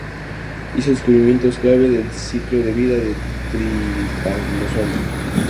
Hizo descubrimientos clave del ciclo de vida de trypanosoma.